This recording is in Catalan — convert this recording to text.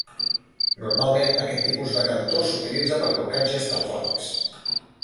Normalment aquest tipus de cantó s'utilitza per blocatges telefònics.